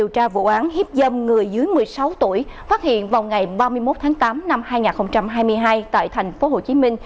chín mươi sáu tuổi phát hiện vào ngày ba mươi một tháng tám năm hai nghìn hai mươi hai tại tp hcm